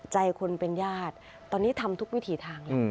ใจคนเป็นญาติตอนนี้ทำทุกวิถีทางแล้ว